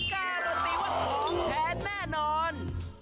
การันตีว่าของแท้แน่นอน